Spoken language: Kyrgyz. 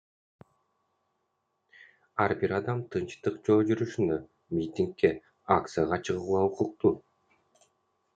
Ар бир адам тынчтык жөө жүрүшүнө, митингге, акцияга чыгууга укуктуу.